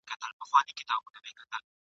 د سپرلي هوا له یاره هم سخي ده